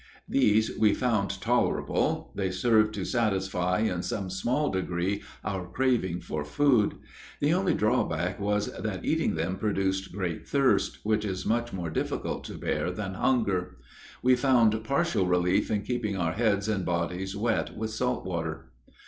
These we found tolerable; they served to satisfy in some small degree our craving for food. The only drawback was that eating them produced great thirst, which is much more difficult to bear than hunger. We found partial relief in keeping our heads and bodies wet with salt water.